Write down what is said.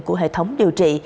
của hệ thống điều trị